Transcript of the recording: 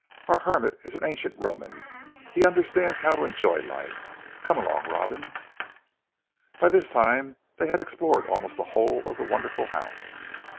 "Our hermit is an ancient Roman; he understands how to enjoy life. Come along Robin!" But by this time they had explored almost the whole of the wonderful house.